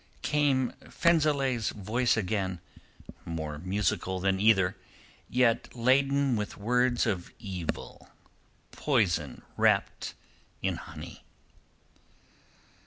Came Fenzileh's voice again, more musical than either, yet laden with words of evil, poison wrapped in honey.